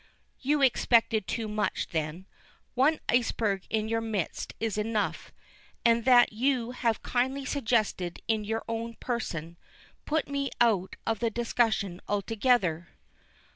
"You expected too much, then. One iceberg in your midst is enough, and that you have kindly suggested in your own person. Put me out of the discussion altogether."